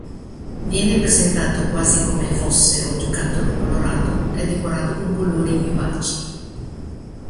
Viene presentato quasi come fosse un giocattolo colorato e decorato con colori vivaci.